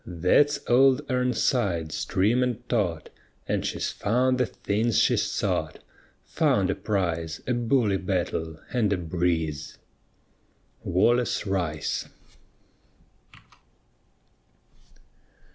_ That's Old Ir'nsides, trim and taut, And she's found the things she sought Found a prize, a bully battle, and a breeze! WALLACE RICE.